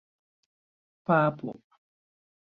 papo